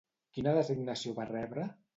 Quina designació va rebre?